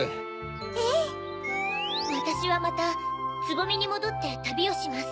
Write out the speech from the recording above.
ええ。わたしはまたつぼみにもどってたびをします。